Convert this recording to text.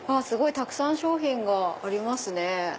たくさん商品がありますね。